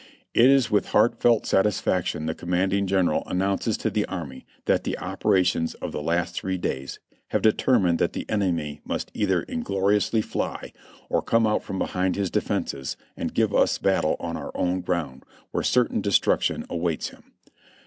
"It is with heartfelt satisfaction the commanding general announces to the army that the operations of the last three days, have determined that the enemy must either ingloriously fly, or come out from behind his defenses and give us battle on our own ground, where certain destruction awaits him.